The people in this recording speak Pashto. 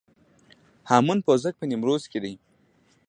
هامون پوزک په نیمروز کې دی